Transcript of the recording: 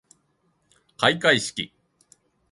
開会式